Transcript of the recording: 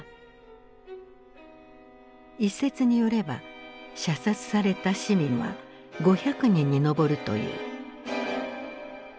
一説によれば射殺された市民は５００人に上るという。